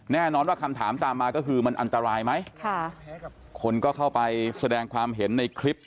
แน่นอนว่าคำถามตามมาก็คือมันอันตรายไหมค่ะคนก็เข้าไปแสดงความเห็นในคลิป